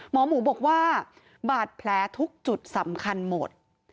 หมอหมูบอกว่าบาดแผลทุกจุดสำคัญหมด